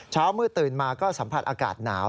เช้ามืดตื่นมาก็สัมผัสอากาศหนาว